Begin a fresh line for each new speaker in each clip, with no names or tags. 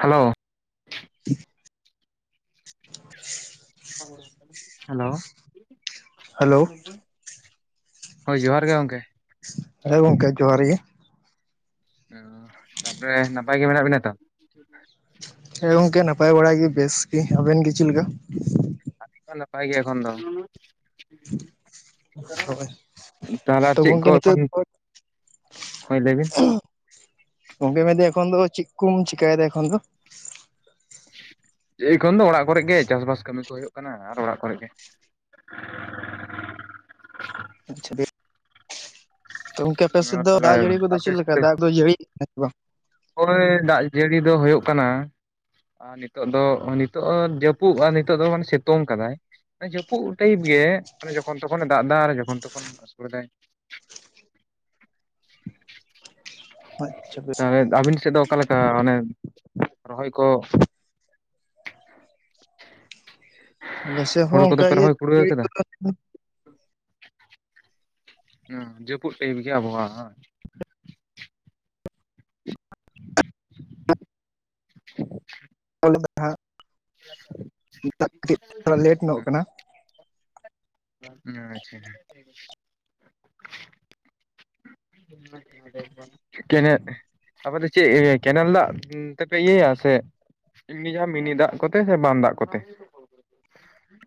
Hello
[inaudible]
[inaudible] hello
hello
ᱦᱳᱭ ᱡᱚᱦᱟᱨ ᱜᱮ ᱜᱚᱝᱠᱮ᱾
ᱦᱮᱸ ᱜᱚᱝᱠᱮ ᱡᱚᱦᱟᱨ ᱜᱮ᱾
ᱦᱩᱸ ᱛᱟᱯᱚᱨᱮ ᱱᱟᱯᱟᱭ ᱜᱮ ᱢᱮᱱᱟᱜ ᱵᱮᱱᱟ ᱛᱚ? [inaudible]
ᱦᱮᱸ ᱜᱚᱝᱠᱮ ᱱᱟᱯᱟᱭ ᱵᱟᱲᱟ ᱜᱤ ᱵᱮᱥ ᱜᱤ ᱟᱵᱮᱱ ᱜᱮ ᱪᱮᱜ ᱞᱮᱠᱟ?
ᱟᱞᱤᱧ ᱦᱚᱸ ᱱᱟᱯᱟᱭ ᱜᱮ ᱮᱠᱷᱚᱱ ᱫᱚ᱾
ᱦᱳᱭ
ᱛᱟᱦᱞᱮ ᱟᱨ
ᱛᱚ
ᱪᱤᱜ
ᱜᱚᱝᱠᱮ
ᱠᱚ
ᱱᱤᱛᱚᱜ
ᱮᱠᱷᱚᱱ ᱦᱳᱭ ᱞᱟᱹᱭ ᱵᱤᱱ᱾
ᱜᱚᱝᱠᱮ ᱢᱮᱱᱫᱟᱹᱧ ᱮᱠᱷᱚᱱ ᱫᱚ ᱪᱤᱜ ᱠᱚᱢ ᱪᱮᱠᱟ ᱭᱮᱫᱟ ᱮᱠᱷᱚᱱ ᱫᱚ?
ᱮᱠᱷᱚᱱ ᱫᱚ ᱚᱲᱟᱜ ᱠᱚᱨᱮ ᱜᱮ ᱪᱟᱥ ᱵᱟᱥ ᱠᱟᱹᱢᱤ ᱠᱚ ᱦᱩᱭᱩᱜ ᱠᱟᱱᱟ ᱟᱨ ᱚᱲᱟᱜ ᱠᱚᱨᱮ ᱜᱮ‌᱾
[inaudible] ᱛᱚ ᱜᱚᱝᱠᱮ ᱟᱯᱮ ᱥᱮᱜ ᱫᱚ
ᱛᱟᱦᱚᱞᱮ
ᱫᱟᱜ ᱡᱟᱹᱲᱤ ᱠᱚᱫᱚ
ᱟᱯᱮ
ᱪᱤᱜ ᱞᱮᱠᱟ ᱫᱟᱜ ᱫᱚ ᱡᱟᱹᱲᱤ ᱭᱮᱜᱟ ᱥᱮ ᱵᱟᱝ?
ᱯᱚᱨᱮ ᱫᱟᱜ ᱡᱟᱹᱲᱤ ᱫᱚ ᱦᱩᱭᱩᱜ ᱠᱟᱱᱟ ᱾ ᱟᱨ ᱱᱤᱛᱚᱜ ᱫᱚ ᱱᱤᱛᱚᱜ ᱡᱟᱹᱯᱩᱫ ᱟᱨ ᱱᱤᱛᱚᱜ ᱫᱚ ᱢᱟᱱᱮ ᱥᱤᱛᱩᱝ ᱠᱟᱫᱟᱭ ᱾ ᱡᱟᱹᱯᱩᱫ ᱴᱟᱭᱤᱯ ᱜᱮ ᱟᱱᱮ ᱡᱚᱠᱷᱚᱱ ᱛᱚᱠᱷᱚᱱᱮ ᱫᱟᱜ ᱮᱫᱟ ᱟᱨ ᱡᱚᱠᱷᱚᱱ ᱛᱚᱠᱷᱚᱱ ᱟᱹᱥᱩᱲᱮᱫᱟᱭ ᱾
ᱟᱪᱪᱷᱟ ᱵᱮᱥ
ᱛᱟᱦᱞᱮ ᱟᱵᱤᱱ ᱥᱮᱫ ᱫᱚ ᱚᱠᱟᱞᱮᱠᱟ ᱟᱱᱮ ᱨᱚᱦᱚᱭ ᱠᱚ?
ᱟᱞᱮᱥᱮᱫ ᱦᱚᱸ
ᱦᱩᱲᱩ ᱠᱚᱫᱚ ᱯᱮ
ᱚᱱᱠᱟᱜᱮ
ᱨᱚᱦᱚᱭ ᱠᱩᱲᱟᱹᱣ ᱠᱟᱫᱟ
᱾
ᱦᱚᱸ ᱡᱟᱹᱯᱩᱫ ᱴᱟᱭᱤᱯ ᱜᱮ ᱟᱵᱚᱦᱟᱣᱟ ᱫᱚ᱾ [inaudible]
[inaudible]
[inaudible]
[inaudible] ᱠᱟᱹᱴᱤᱡ ᱛᱷᱚᱲᱟ ᱞᱮᱴ ᱧᱚᱜ ᱠᱟᱱᱟ ᱾
ᱟᱪᱪᱷᱟ ᱾ [inaudible] ᱠᱮᱱᱮᱞ ᱟᱯᱮ ᱫᱚ ᱪᱮᱫ ᱠᱮᱱᱮᱞ ᱫᱟᱜ ᱛᱮᱯᱮ ᱤᱭᱟᱹᱭᱟ ᱥᱮ, ᱡᱟᱦᱟᱸ ᱢᱤᱱᱤ ᱫᱟᱜ ᱠᱚᱛᱮ ᱥᱮ ᱵᱟᱱ ᱫᱟᱜ ᱠᱚᱛᱮ?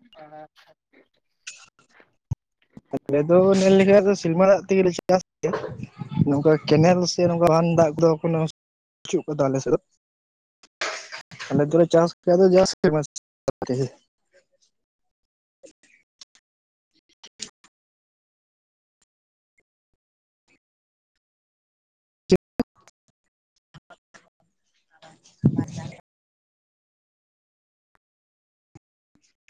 [unintelligible]
ᱟᱞᱮ ᱫᱚ ᱧᱮᱞ ᱞᱮᱠᱷᱟᱱ ᱫᱚ ᱥᱤᱞᱢᱟ ᱫᱟᱜ ᱛᱮᱜᱮᱞᱮ ᱪᱟᱥ ᱫᱚ ᱾ ᱱᱚᱝᱠᱟ ᱠᱮᱱᱮᱞ ᱥᱮ ᱱᱚᱝᱠᱟ ᱦᱟᱱ ᱫᱟᱜ ᱠᱚᱫᱚ ᱠᱳᱱᱳ ᱵᱪᱩᱜ ᱠᱟᱫᱟ ᱟᱞᱮ ᱥᱮᱫ ᱫᱚ ᱾ [inaudible] ᱪ [inaudible] ᱟᱨ ᱛᱮ [inaudible]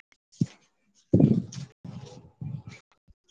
ᱚ [inaudible]